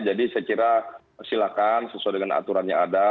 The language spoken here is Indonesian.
jadi saya kira silakan sesuai dengan aturan yang ada